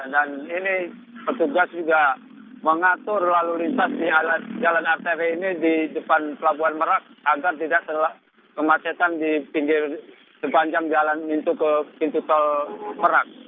dan ini petugas juga mengatur lalu lintas di jalan rtw ini di depan pelabuhan merak agar tidak terlalu kemasetan di pinggir sepanjang jalan pintu tol merak